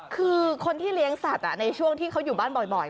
คือคนที่เลี้ยงสัตว์ในช่วงที่เขาอยู่บ้านบ่อย